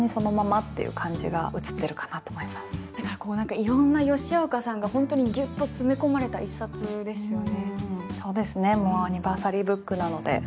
いろんな吉岡さんがギュッと詰め込まれた一冊ですよね。